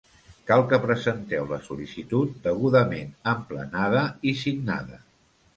Cal que presenteu la sol·licitud degudament emplenada i signada.